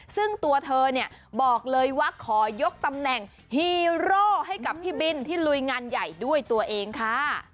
ซึ่งตัวเธอเนี่ยบอกเลยว่าขอยกตำแหน่งฮีโร่ให้กับพี่บินที่ลุยงานใหญ่ด้วยตัวเองค่ะ